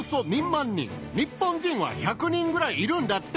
日本人は１００人ぐらいいるんだって。